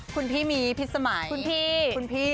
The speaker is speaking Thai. คุณพี่มีพิ๊กสมัยคุณพี่